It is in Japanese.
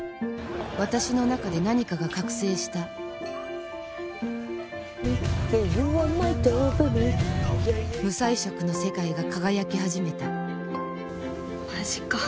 私の中で何かが覚醒した無彩色の世界が輝き始めたマジか。